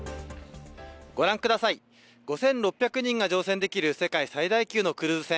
ご覧ください、５６００人が乗船できる世界最大級のクルーズ船。